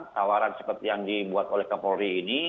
tawaran seperti yang dibuat oleh kapolri ini